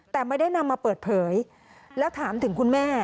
แต่ไม่ได้นำมาเปิดเผยแล้วถามถึงคุณแม่